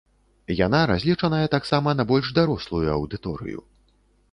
Яна разлічаная таксама на больш дарослую аўдыторыю.